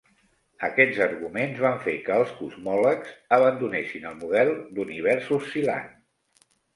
Aquests arguments van fer que els cosmòlegs abandonessin el model d'univers oscil·lant.